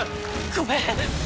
ごめんッ！